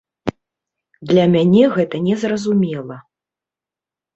Для мяне гэта незразумела.